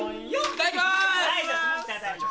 いただきます。